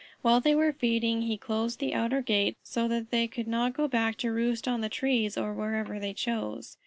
While they were feeding he closed the outer gate, so that they could not go back to roost on the trees or wherever they chose.